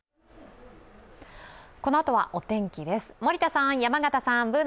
このあとはお天気です。